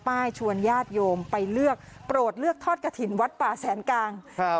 ชวนญาติโยมไปเลือกโปรดเลือกทอดกระถิ่นวัดป่าแสนกลางครับ